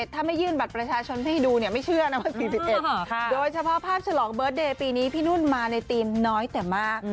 ถ้าไม่ยื่นบัตรประชาชนให้ดูเนี่ยไม่เชื่อนะว่า๔๑โดยเฉพาะภาพฉลองเบิร์ตเดย์ปีนี้พี่นุ่นมาในธีมน้อยแต่มาก